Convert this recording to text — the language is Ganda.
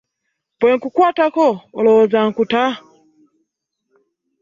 Bwe nkukwatako olowooza nkuta?